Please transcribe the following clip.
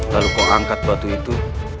lalu kok angkat batu itu